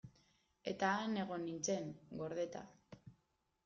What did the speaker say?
Eta han egon nintzen, gordeta.